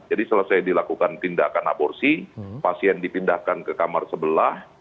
jadi selesai dilakukan tindakan aborsi pasien dipindahkan ke kamar sebelah